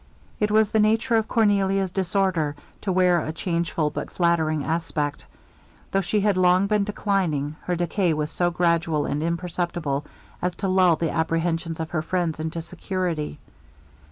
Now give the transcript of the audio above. It was the nature of Cornelia's disorder to wear a changeful but flattering aspect. Though she had long been declining, her decay was so gradual and imperceptible as to lull the apprehensions of her friends into security.